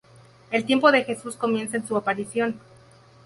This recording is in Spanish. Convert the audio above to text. El tiempo de Jesús comienza con su aparición.